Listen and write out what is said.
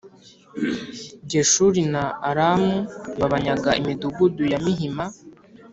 Geshuri na Aramu babanyaga imidugudu ya mihima